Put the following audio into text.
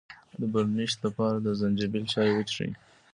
د برونشیت لپاره د زنجبیل چای وڅښئ